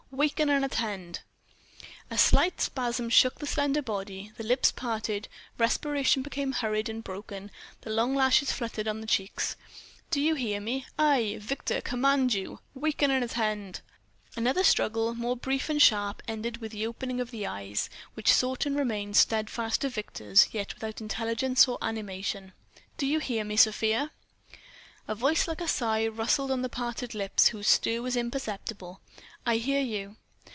Waken and attend!" A slight spasm shook the slender body, the lips parted, respiration became hurried and broken, the long lashes fluttered on the cheeks. "Do you hear me? I, Victor, command you: Waken and attend!" Another struggle, more brief and sharp, ended with the opening of the eyes, which sought and remained steadfast to Victor's, yet without intelligence or animation. "Do you hear me, Sofia?" A voice like a sigh rustled on the parted lips, whose stir was imperceptible: "I hear you...."